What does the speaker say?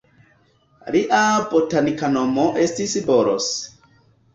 Lia botanika nomo estis "Boros".